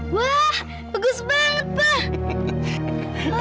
wah bagus banget pa